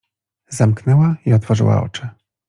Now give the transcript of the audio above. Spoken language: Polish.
Zamknęła i otworzyła oczy.